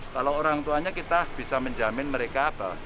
kalau orang tuanya kita bisa menjamin mereka apa